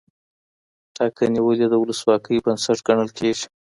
ټاکنې ولي د ولسواکۍ بنسټ ګڼل کېږي؟